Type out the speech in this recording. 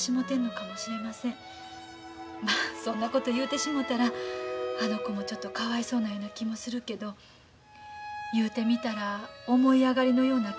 まあそんなこと言うてしもたらあの子もちょっとかわいそうなような気もするけど言うてみたら思い上がりのような気もするんや。